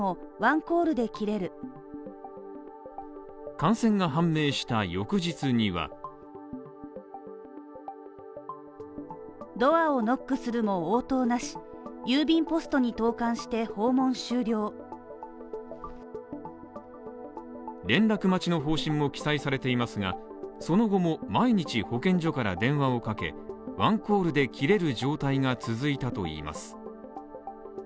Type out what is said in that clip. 感染が判明した翌日には連絡待ちの方針も記載されていますがその後も毎日保健所から電話をかけ、１コールで切れる状態が続いたといいます。